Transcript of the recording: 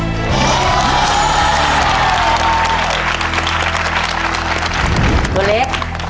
ตัวเล็ก